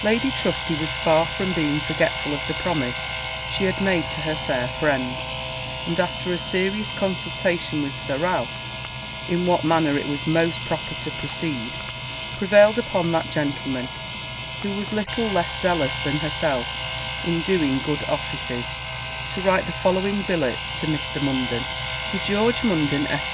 Lady Trusty was far from being forgetful of the promise she had made to her fair friend; and, after a serious consultation with Sir Ralph in what manner it was most proper to proceed, prevailed upon that gentleman, who was little less zealous than herself in doing good offices, to write the following billet to Mr. Munden. 'To George Munden, Esq.